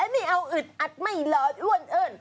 นี่เอาอึดอัดไม่หลอดอ้วนเอิ้น